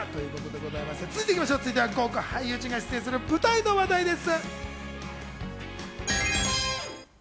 続いては、豪華俳優陣が出演する舞台の話題です。